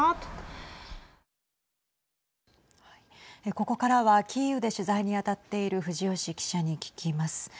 ここからはキーウで取材に当たっている藤吉記者に聞きます。